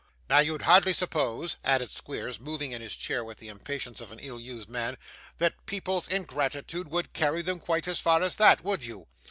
Now, you'd hardly suppose,' added Squeers, moving in his chair with the impatience of an ill used man, 'that people's ingratitude would carry them quite as far as that; would you?